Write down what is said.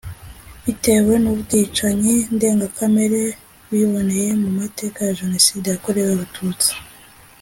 bitewe n’ubwicanyi ndengakamere biboneye mu mateka ya Jenoside yakorewe abatutsi